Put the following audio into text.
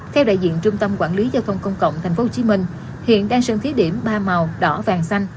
theo đại diện trung tâm quản lý giao thông công cộng tp hcm hiện đang sơn thí điểm ba màu đỏ vàng xanh